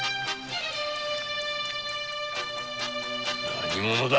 何者だ！